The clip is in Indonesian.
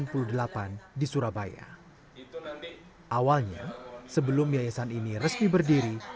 pak rizwan menjelaskan bahwa ini adalah sebuah organisasi yang berdiri secara resmi